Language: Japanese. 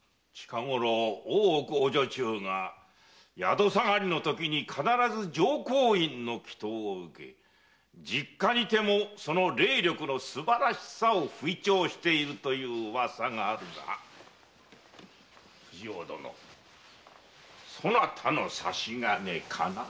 大奥お女中が宿下がりのときに必ず浄光院の祈を受け実家にてもその霊力のすばらしさを吹聴しているとの噂があるが藤尾殿そなたの差し金かな？